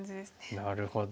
なるほど。